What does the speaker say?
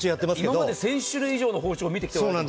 今まで１０００種類以上の包丁を見てきたんですよね。